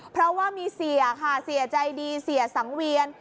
เพราะว่ามีเสียค่ะเสียใจดีเสียสังเวียน